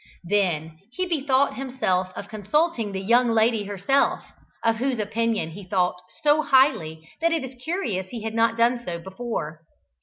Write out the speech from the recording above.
Then he bethought himself of consulting the young lady herself, of whose opinion he thought so highly that it is curious he had not done so before.